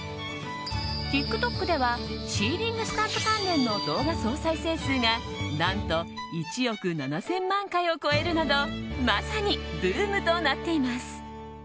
ＴｉｋＴｏｋではシーリングスタンプ関連の動画総再生数が何と１億７０００万回を超えるなどまさにブームとなっています。